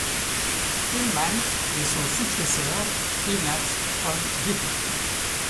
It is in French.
Tillmanns et son successeur Ignaz von Witte.